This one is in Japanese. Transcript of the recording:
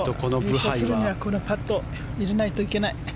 優勝するにはこのパット入れないといけない。